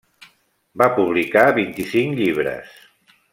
Va publicar vint-i-cinc llibres.